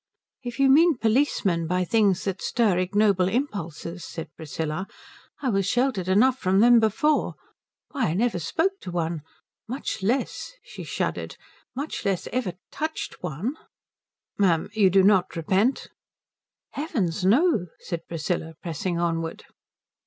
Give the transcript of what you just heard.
"If you mean policemen by things that stir ignoble impulses," said Priscilla, "I was sheltered enough from them before. Why, I never spoke to one. Much less" she shuddered "much less ever touched one." "Ma'am, you do not repent?" "Heavens, no," said Priscilla, pressing onward.